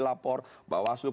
lapor ke bawah asluk